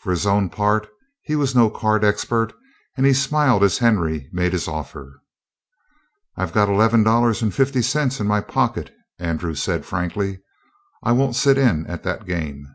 For his own part, he was no card expert, and he smiled as Henry made his offer. "I've got eleven dollars and fifty cents in my pocket," Andrew said frankly. "I won't sit in at that game."